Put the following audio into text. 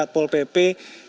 ya kita harus juga mendukung